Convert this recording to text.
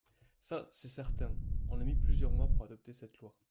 Ça, c’est certain ! On a mis plusieurs mois pour adopter cette loi.